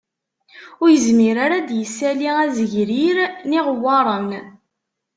Ur yezmir ara ad d-isali azegrir n iɣewwaṛen